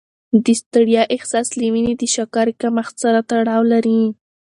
د ستړیا احساس له وینې د شکرې کمښت سره تړاو لري.